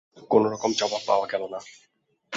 কোনোরকম জবাব পাওয়া গেল না।